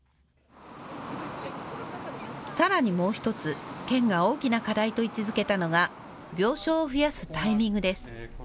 さらにもう１つ、県が大きな課題と位置づけたのが病床を増やすタイミングです。